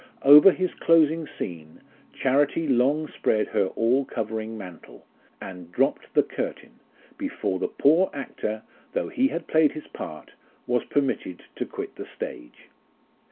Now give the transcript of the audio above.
Over his closing scene, Charity long spread her all covering mantle, And dropped the curtain, Before the poor actor, though he had played his part, Was permitted to quit the stage.